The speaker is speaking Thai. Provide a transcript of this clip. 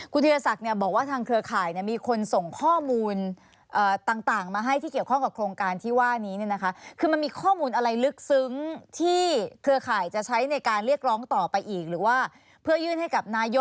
คุณธิรษัทบอกว่าทางเครือข่าย